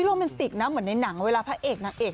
โรแมนติกนะเหมือนในหนังเวลาพระเอกนางเอก